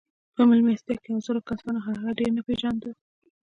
په مېلمستیا کې حاضرو کسانو هغه ډېر نه پېژانده